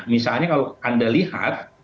misalnya kalau anda lihat